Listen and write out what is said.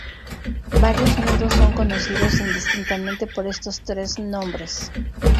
Varios nudos son conocidos indistintamente por estos tres nombres.